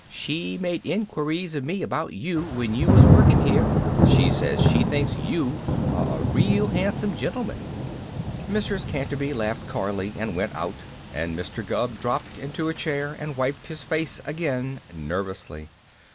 She made inquiries of me about you when you was working here. She says she thinks you are a real handsome gentleman." Mrs. Canterby laughed coyly and went out, and Mr. Gubb dropped into a chair and wiped his face again nervously.